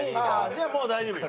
じゃあもう大丈夫よ。